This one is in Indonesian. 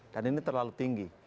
dan ini terlalu tinggi